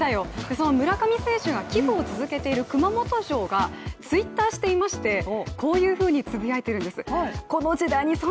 その村上選手が寄付を続けている熊本城がＴｗｉｔｔｅｒしていまして、こういうふうにつぶやいているんです。